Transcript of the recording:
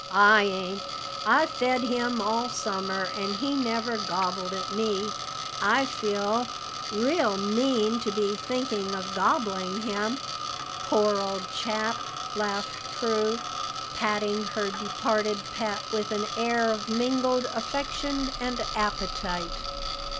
"I ain't! I fed him all summer, and he never gobbled at me. I feel real mean to be thinking of gobbling him, poor old chap," laughed Prue, patting her departed pet with an air of mingled affection and appetite.